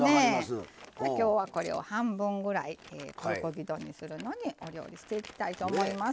今日は、これを半分ぐらいプルコギ丼にするのにお料理していきたいと思います。